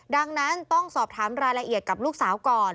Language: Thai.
ดังนั้นต้องสอบถามรายละเอียดกับลูกสาวก่อน